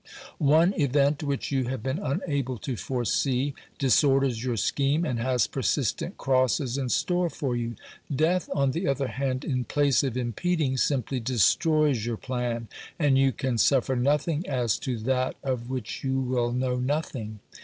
One event which you have been unable to foresee disorders your scheme and has persistent crosses in store for you ; death, on the other hand, in place of impeding, simply destroys your plan, and you can suffer nothing as to that of which you will know 62 OBERMANN nothing.